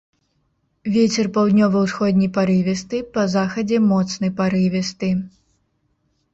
Вецер паўднёва-ўсходні парывісты, па захадзе моцны парывісты.